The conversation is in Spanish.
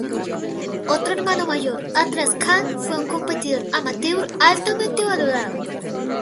Otro hermano mayor, Atlas Khan, fue un competidor amateur altamente valorado.